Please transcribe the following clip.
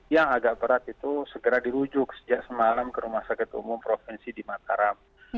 yang agak berat itu segera dirujuk sejak semalam ke rumah sakit umum provinsi di mataram